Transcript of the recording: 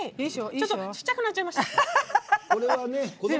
ちっちゃくなっちゃいました。